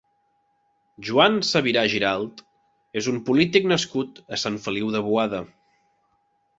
Joan Sabrià Giralt és un polític nascut a Sant Feliu de Boada.